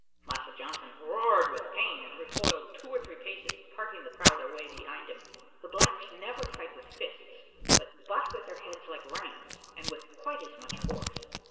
Massa Johnson roared with pain, and recoiled two or three paces, parting the crowd away behind him. The blacks never fight with fists, but butt with their heads like rams, and with quite as much force.